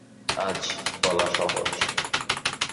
আজ বলা সহজ।